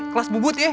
kelas bubut ya